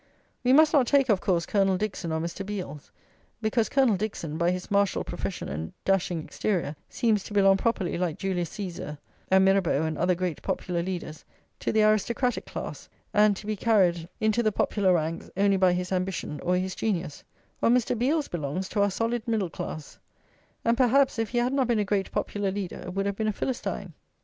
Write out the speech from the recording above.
We must not take, of course, Colonel Dickson or Mr. Beales; because Colonel Dickson, by his martial profession and dashing exterior, seems to belong properly, like Julius Caesar and Mirabeau and other great popular leaders, to the aristocratic class, and to be carried into the popular ranks only by his ambition or his genius; while Mr. Beales belongs to our solid middle class, and, perhaps, if he had not been a great popular leader, would have been a Philistine.